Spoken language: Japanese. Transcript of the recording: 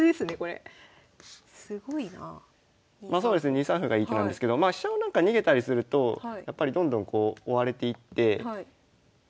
２三歩がいいと思うんですけど飛車をなんか逃げたりするとやっぱりどんどんこう追われていってそうですね